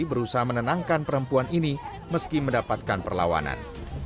berusaha menenangkan perempuan ini meski mendapatkan perlawanan